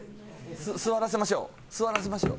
座らせましょう。